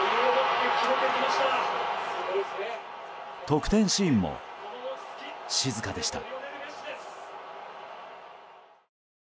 得点シーンも静かでした。